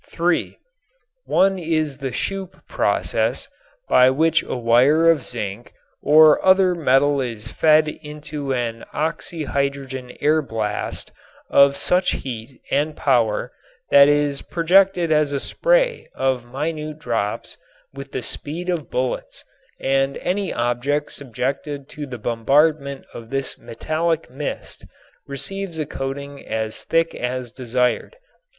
(3) One is the Schoop process by which a wire of zinc or other metal is fed into an oxy hydrogen air blast of such heat and power that it is projected as a spray of minute drops with the speed of bullets and any object subjected to the bombardment of this metallic mist receives a coating as thick as desired.